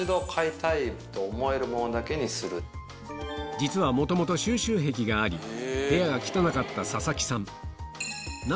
実は元々収集癖があり部屋が汚かった佐々木さん